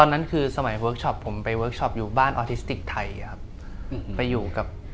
มันคือคุณค่า